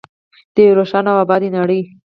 د یوې روښانه او ابادې نړۍ.